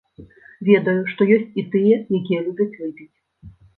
Ведаю, што ёсць і тыя, якія любяць выпіць.